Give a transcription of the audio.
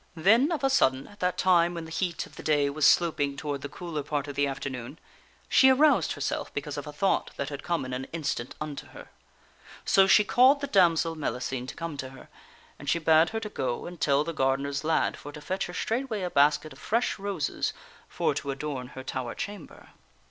Then, of a sudden, at that time when the heat of the day was sloping toward the cooler part of the afternoon, she aroused herself because of a thought that had come in an instant unto her. So she called the damsel Mellicene to come to her, and she bade her to go and tell the gardener's lad for to fetch her straightway a basket of fresh roses for to adorn her tower chamber.